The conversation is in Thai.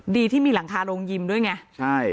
ดีที่มีหลังคาโรงยิมด้วยไงใช่